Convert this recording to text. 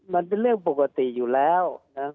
มันเป็นเรื่องปกติอยู่แล้วนะครับ